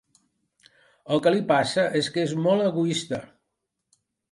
El que li passa és que és molt egoista.